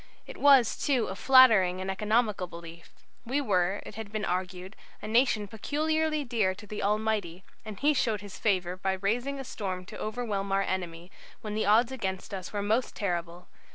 It was, too, a flattering and economical belief. We were, it has been argued, a nation peculiarly dear to the Almighty, and He showed His favour by raising a storm to overwhelm our enemy, when the odds against us were most terrible.